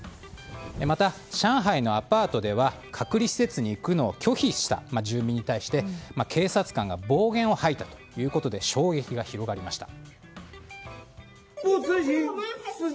また、上海のアパートでは隔離施設に行くのを拒否した住民に対して警察官が暴言を吐いたということで衝撃が広がりました。